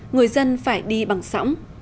người dân phải đi bằng sóng